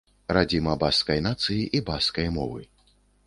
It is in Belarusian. Радзіма баскскай нацыі і баскскай мовы.